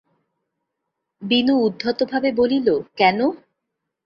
বিন্দু উদ্ধতভাবে বলিল, কেন?